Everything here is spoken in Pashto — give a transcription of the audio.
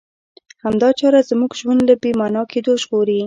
همدا چاره زموږ ژوند له بې مانا کېدو ژغوري.